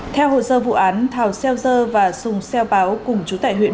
theo hồ sơ vụ án thảo xeo dơ và sùng xeo báo cùng chú tại huyện